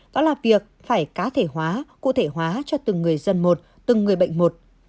đó là việc phải cá thể hóa cụ thể hóa cho từng người dân một từng người bệnh một